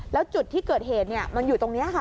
แล้วจุดที่เกิดเหตุมันอยู่ตรงนี้ค่ะ